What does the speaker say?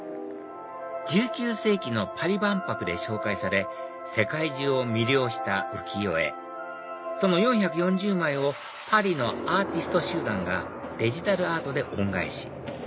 １９世紀のパリ万博で紹介され世界中を魅了した浮世絵その４４０枚をパリのアーティスト集団がデジタルアートで恩返し